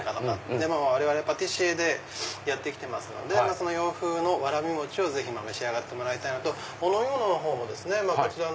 でも我々パティシエでやってきてますので洋風のわらび餅をぜひ召し上がってもらいたいのとお飲み物の方もですねこちらの。